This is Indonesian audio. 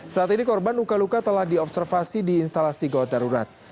saat ini korban luka luka telah diobservasi di instalasi gawat darurat